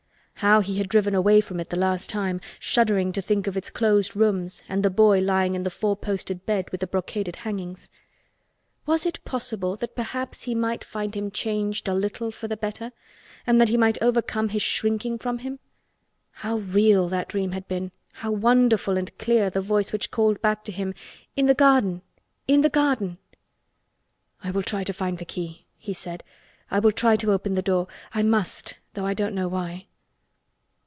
How he had driven away from it the last time, shuddering to think of its closed rooms and the boy lying in the four posted bed with the brocaded hangings. Was it possible that perhaps he might find him changed a little for the better and that he might overcome his shrinking from him? How real that dream had been—how wonderful and clear the voice which called back to him, "In the garden—In the garden!" "I will try to find the key," he said. "I will try to open the door. I must—though I don't know why."